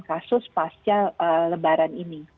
kasus pasca lebaran ini